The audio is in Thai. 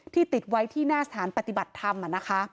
ติดไว้ที่หน้าสถานปฏิบัติธรรม